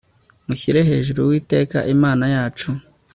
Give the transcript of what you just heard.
mushyire hejuru uwiteka imana yacu